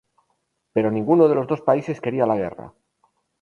Pero ninguno de los dos países quería la guerra.